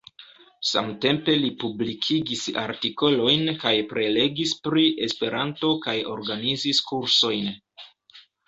Samtempe li publikigis artikolojn kaj prelegis pri Esperanto kaj organizis kursojn.